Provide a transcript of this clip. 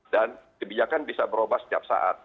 dan kebijakan bisa berubah setiap saat